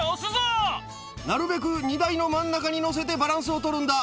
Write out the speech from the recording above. なるべく荷台の真ん中に載せて、バランスを取るんだ。